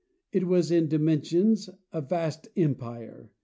It was in dimensions a vast empire.